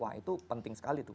wah itu penting sekali tuh